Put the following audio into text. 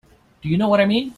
Do you know what I mean?